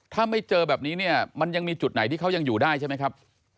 ถ้าไม่เจอแบบนี้เนี่ยมันยังมีจุดไหนที่เขายังอยู่ได้ใช่ไหมครับ